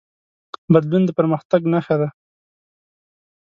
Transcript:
بدلون د پرمختګ نښه ده.